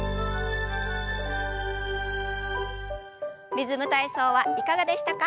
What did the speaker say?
「リズム体操」はいかがでしたか？